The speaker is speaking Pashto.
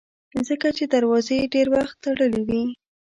ځکه چې دروازې یې ډېر وخت تړلې وي.